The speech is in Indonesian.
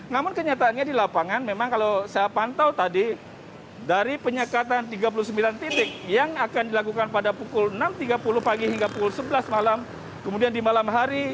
namun kenyataannya di lapangan memang kalau saya pantau tadi dari penyekatan tiga puluh sembilan titik yang akan dilakukan pada pukul enam tiga puluh pagi hingga pukul sebelas malam kemudian di malam hari